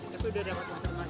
tapi sudah dapat informasi